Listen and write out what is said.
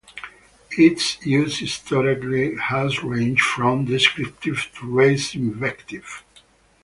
Its use historically has ranged from descriptive to race invective.